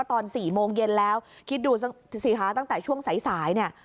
ตอน๔โมงเย็นแล้วคิดดูสิคะตั้งแต่ช่วงสายสายเนี่ย